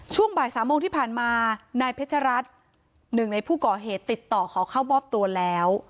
ช่วงบ่ายสามโมงที่ผ่านมานายเพชรัตน์หนึ่งในผู้ก่อเหตุติดต่อขอเข้ามอบตัวแล้ว